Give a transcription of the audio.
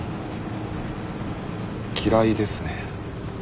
嫌いですね。